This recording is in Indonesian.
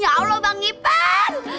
ya allah bang ipan